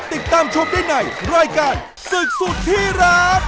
ติดตามชมได้ในรายการศึกสุดที่รัก